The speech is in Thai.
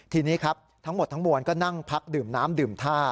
ทีนี้ครับทั้งหมดทั้งมวลก็นั่งพักดื่มน้ำดื่มท่า